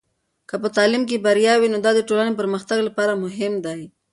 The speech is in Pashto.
که په تعلیم کې بریا وي، نو دا د ټولنې پرمختګ لپاره مهم دی.